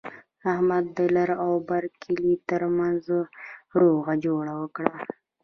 احمد د لر او بر کلي ترمنځ روغه جوړه وکړله.